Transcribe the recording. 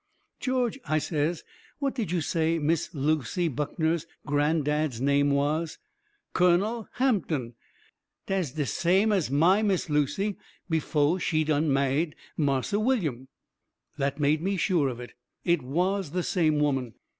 "George," I says, "what did you say Miss Lucy Buckner's gran dad's name was?" "Kunnel Hampton des de same as MY Miss Lucy befo' SHE done ma'hied Marse Willyum." That made me sure of it. It was the same woman.